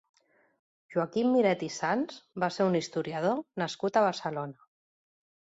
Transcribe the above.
Joaquim Miret i Sans va ser un historiador nascut a Barcelona.